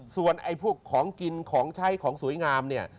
ส่วนไอ้พวกของกินของใช้ของสวยงามเนี่ย